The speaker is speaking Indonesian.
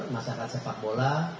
masyarakat sepak bola